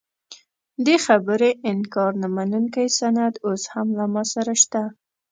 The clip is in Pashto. دې خبرې انکار نه منونکی سند اوس هم له ما سره شته.